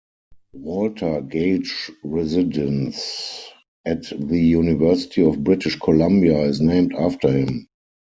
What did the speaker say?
Walter Gage Residence at the University of British Columbia is named after him.